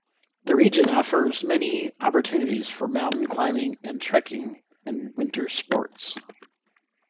The region offers many opportunities for mountain climbing and trekking and winter sports.